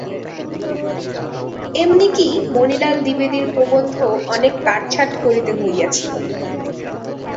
এমনি কি, মণিলাল দ্বিবেদীর প্রবন্ধও অনেক কাটছাঁট করিতে হইয়াছিল।